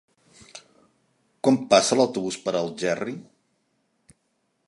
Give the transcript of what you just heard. Quan passa l'autobús per Algerri?